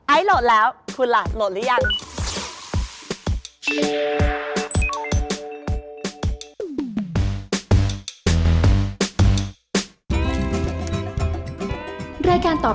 โหลดแล้วคุณล่ะโหลดหรือยัง